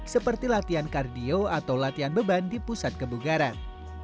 seperti latihan kardio atau latihan beban di pusat kebugaran